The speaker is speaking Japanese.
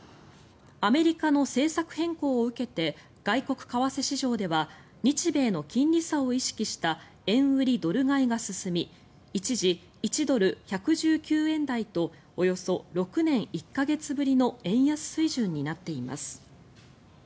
アメリカの政策変更を受けて外国為替市場では日米の金利差を意識した円売り・ドル買いが進み一時、１ドル＝１１９円台とおよそ６年１か月ぶりの円安水準になっています。